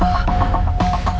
aku mau ke rumah